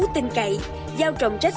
tin cậy giao trọng trách